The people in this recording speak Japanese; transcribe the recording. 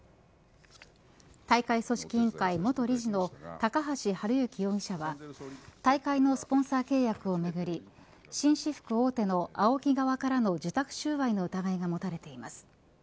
大会組織委員会、元理事の高橋治之容疑者は大会のスポンサー契約をめぐり紳士服大手のＡＯＫＩ側からの受託収賄の疑いが持たれています。